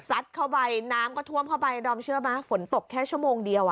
เข้าไปน้ำก็ท่วมเข้าไปดอมเชื่อไหมฝนตกแค่ชั่วโมงเดียวอ่ะ